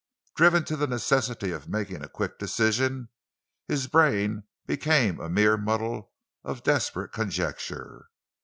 Driven to the necessity of making a quick decision, his brain became a mere muddle of desperate conjecture.